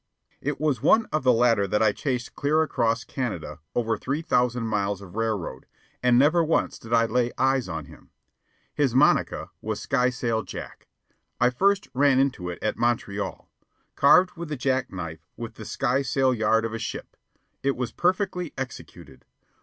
It was one of the latter that I chased clear across Canada over three thousand miles of railroad, and never once did I lay eyes on him. His "monica" was Skysail Jack. I first ran into it at Montreal. Carved with a jack knife was the skysail yard of a ship. It was perfectly executed.